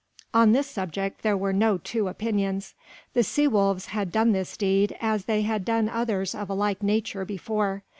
On this subject there were no two opinions. The sea wolves had done this deed as they had done others of a like nature before.